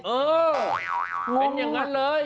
เออเป็นอย่างนั้นเลย